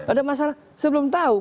ada masalah saya belum tahu pak